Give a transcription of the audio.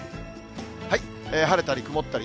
晴れたり曇ったり。